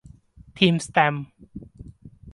ทีมแสตมป์